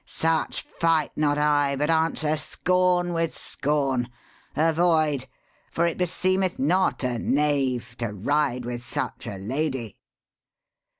Such fight not I, but answer scorn with scorn. Avoid: for it beseemeth not a knave To ride with such a lady.'